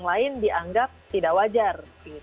yang lain dianggap tidak wajar